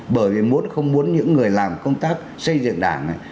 bởi vì muốn không muốn những người làm công tác xây dựng đảng này